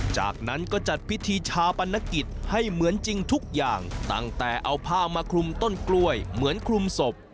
จากนั้นก็จัดพิธีชาปนกิจให้เหมือนจริงทุกอย่างตั้งแต่เอาผ้ามาคลุมต้นกล้วยเหมือนคลุมศพ